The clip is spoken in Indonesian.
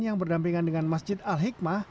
yang berdampingan dengan masjid al hikmah